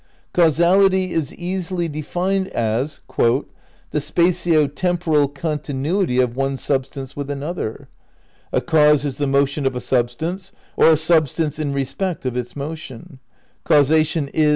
Causality is easily defined as "the spatio temporal continuity of one substance with another." ... "A cause is the motion of a substance, or a substance in re spect of its motion." ... "Causation is